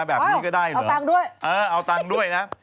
แบบนี้ก็ได้นะเอาตังค์ด้วยเออเอาตังค์ด้วยนะ